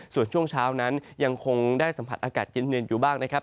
ส่วนช่วงเช้านั้นยังคงได้สัมผัสอากาศเย็นอยู่บ้างนะครับ